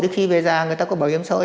khi về già người ta có bảo hiểm xã hội